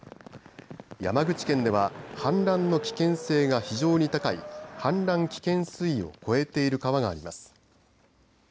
山口県では氾濫の危険性が非常に高い氾濫危険水位を超えている川があります。